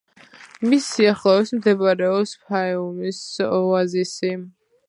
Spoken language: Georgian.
მის სიახლოვეს მდებარეობს ფაიუმის ოაზისი.